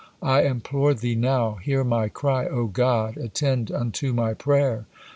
I implore Thee now, 'hear my cry, O God; attend unto my prayer.'